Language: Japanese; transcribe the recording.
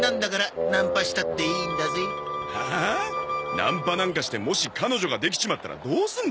ナンパなんかしてもし彼女ができちまったらどうすんだ。